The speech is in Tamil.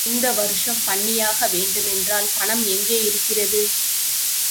இந்த வருஷம் பண்ணியாக வேண்டுமென்றால் பணம் எங்கே இருக்கிறது?